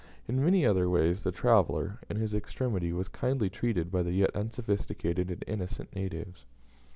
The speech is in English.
In many other ways the traveller, in his extremity, was kindly treated by the yet unsophisticated and innocent natives.